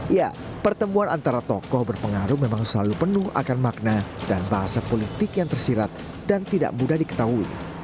ya pertemuan antara tokoh berpengaruh memang selalu penuh akan makna dan bahasa politik yang tersirat dan tidak mudah diketahui